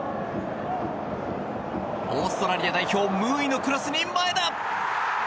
オーストラリア代表ムーイのクロスに前田！